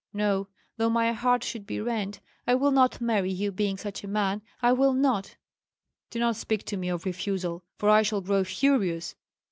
No! though my heart should be rent, I will not marry you; being such a man, I will not!" "Do not speak to me of refusal, for I shall grow furious.